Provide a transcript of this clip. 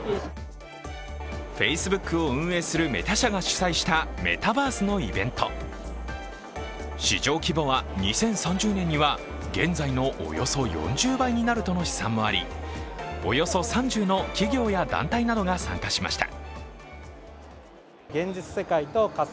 Ｆａｃｅｂｏｏｋの会社が企画するメタバースのイベント市場規模は２０３０年には現在のおよそ４０倍になるとの試算もあり、およそ３０の企業や団体などが参加しました。